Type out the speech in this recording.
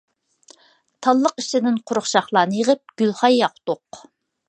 تاللىق ئىچىدىن قۇرۇق شاخلارنى يىغىپ گۈلخان ياقتۇق.